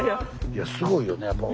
いやすごいよねやっぱ。